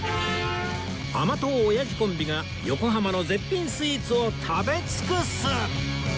甘党オヤジコンビが横浜の絶品スイーツを食べ尽くす！